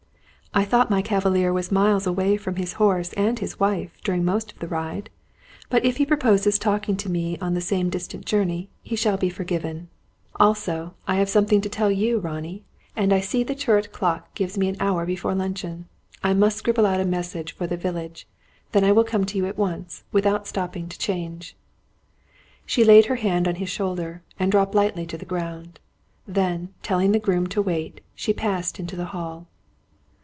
"I thought my cavalier was miles away from his horse and his wife, during most of the ride. But, if he proposes taking me on the same distant journey, he shall be forgiven. Also, I have something to tell you, Ronnie, and I see the turret clock gives us an hour before luncheon. I must scribble out a message for the village; then I will come to you at once, without stopping to change." She laid her hand on his shoulder, and dropped lightly to the ground. Then, telling the groom to wait, she passed into the hall.